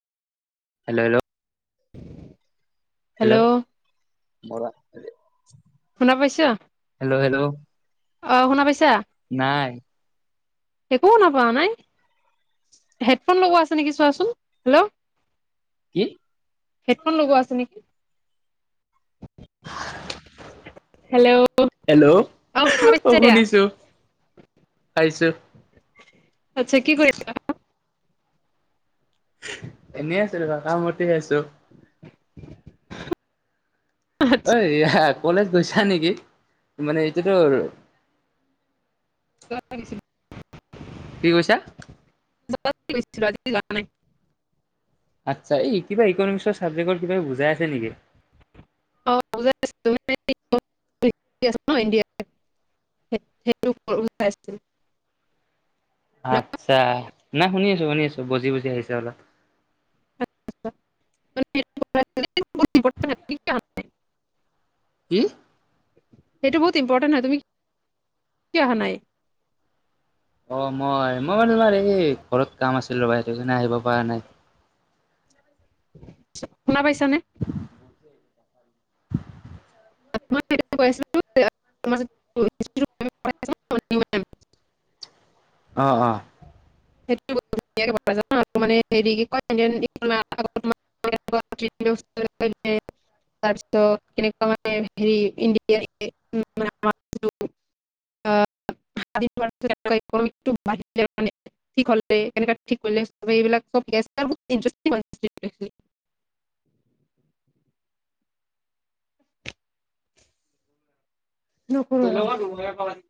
Hello hello [unintelligible] hello, বলা শুনা পাইছা? অ' শুনা পাইছা? নাই। একো শুনা পোৱা নাই? হেডফোন লগোৱা আছে নেকি চোৱাচোন? হেল্ল' কি হেডফোন লগোৱা আছে নেকি? হেল্ল' হেল্ল' শুনা পাইছা অ' এতিয়া শুনিছো, পাইছোঁ। আচ্ছা কি কৰিছা? [unintelligible] এনেই আছোঁ ৰবা কামতে আছোঁ। [unintelligible] হই ৰিহাত কলেজ গৈছা নেকি? মানে এইটো তোৰ [unintelligible] কি কৈছা [unintelligible] আজি যোৱা নাই আচ্ছা এই কিবা ইকনমিক্সৰ চাবজেক্টৰ কিবা বুজাই আছে নিকি [unintelligible] সে সেটো [unintelligible] আচ্ছা নাই শুনি আছো শুনি আছো বুজি বুজি আহিছে অলপ [unintelligible] উম সেইটো বহুত ইম্পৰ্টেণ্ট হয় তুমি কিয় অহা নাই অ মই মই মানো তোমাৰ এই ঘৰত কাম আছিল ৰ'বা সেইটো কাৰনে আহিব পৰা নাই শুনা পাইছানে [unintelligible] [unintelligible] অ অ [unintelligible] ধুনীয়াকে বনাই জানা মানে হেৰি কি কয় [unintelligible] [unintelligible] তাৰপিছত [unintelligible] হেৰি ইণ্ডিয়া [unintelligible] ম [unintelligible] ঠিক হলে কেনেকা ঠিক কৰিলে এইবিলাক ইন্টেৰেচটিং [unintelligible] [inaudible] ন [unintelligible]